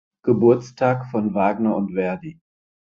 Geburtstag von Wagner und Verdi.